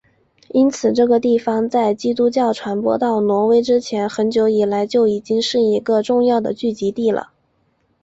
因此这个地方在基督教传播到挪威之前很久以来就已经是一个重要的聚集地了。